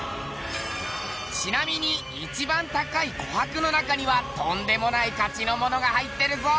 ちなみに一番高い琥珀の中にはとんでもない価値のものが入ってるぞ。